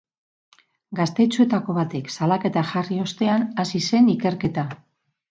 Gaztetxoetako batek salaketa jarri ostean hasi zen ikerketa.